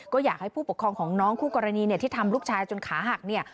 ก็อยากให้ผู้ปกครองของน้องคู่กรณีเนี่ยที่ทำลูกชายจนขาหักเนี่ย